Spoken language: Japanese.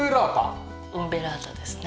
ウンベラータですね。